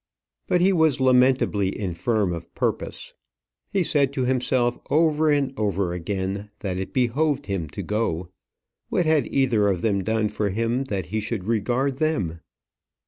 But he was lamentably infirm of purpose. He said to himself over and over again, that it behoved him to go. What had either of them done for him that he should regard them?